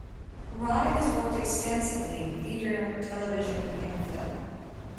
Ryan has worked extensively in theatre, television and film.